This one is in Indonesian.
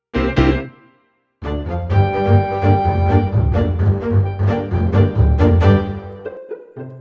tidak ada yang mau mencari